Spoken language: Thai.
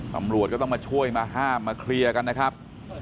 ตำรวจก็ต้องมาช่วยมาห้ามมาเคลียร์กันนะครับ